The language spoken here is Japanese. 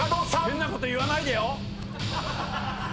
変なこと言わないでよ